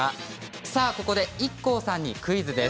さあ、ここでＩＫＫＯさんにクイズです。